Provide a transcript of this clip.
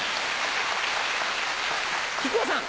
木久扇さん。